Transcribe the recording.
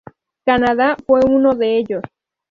Canadá fue uno de ellos.